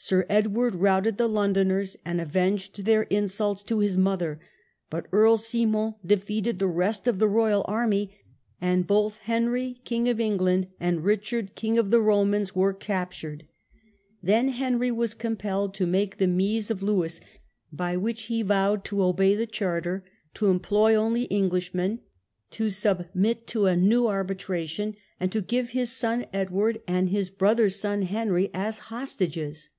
Sir Edward routed the Londoners, and avenged their insults to his mother; but Earl Simon defeated the ThebatUeof rest of the royal army, and both Henry, ^«we8. King of England, and Richard, King of the Romans, were captured. Then Henry was compelled to make the Mise of Lewesy by which he vowed to obey the Charter, to employ only Englishmen, to submit to a new arbitration, and to give his son Edward, and his brother's son Henry, as hostages.